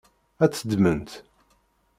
Ad tt-ddment?